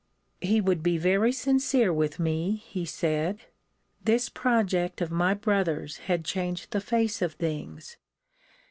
He would be very sincere with me, he said: this project of my brother's had changed the face of things.